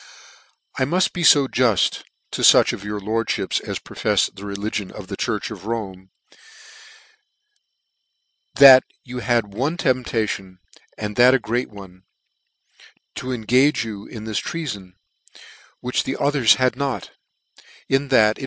" I muft be fo juft, to fuch of your lordfliips as profefs the religion of the church of Rome, that you had one temptation, and that a great one, to engage you in this treafon, which the others had not; in that, is.